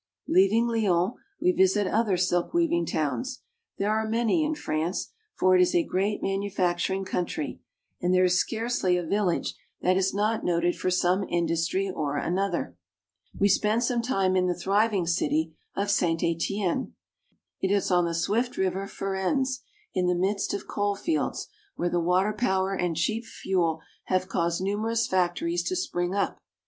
Leaving Lyons, we visit other silk weaving towns. There are many in France, for it is a great manufac turing country, and there is scarcely a village that is not (i©3) 104 FRANCE. noted for some industry or other. We spend some time in the thriving city of St. Etienne (saNt a te enn'). It is on the swift River Furens in the midst of coal fields, where the water power and cheap fuel have caused numerous factories to spring up.